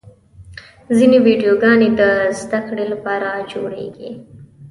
ځینې ویډیوګانې د زدهکړې لپاره جوړېږي.